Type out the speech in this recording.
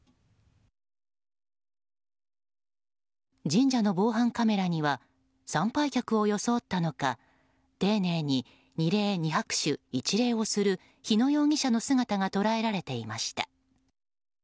神社の防犯カメラには参拝客を装ったのか丁寧に、二礼二拍手一礼をする日野容疑者の姿が捉えられていました。